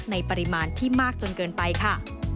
ในปริมาณที่มากจนเกินไปค่ะ